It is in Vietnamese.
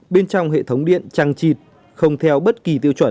bên trong hệ thống điện trăng trịt không theo bất kỳ tiêu chuẩn